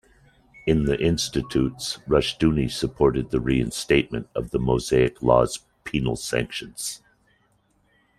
In the "Institutes", Rushdoony supported the reinstatement of the Mosaic law's penal sanctions.